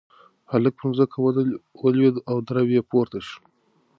هلک په ځمکه ولوېد او درب یې پورته شو.